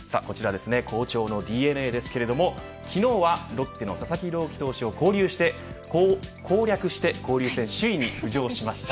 好調のＤｅＮＡですが昨日はロッテの佐々木朗希を攻略して交流戦首位に浮上しました。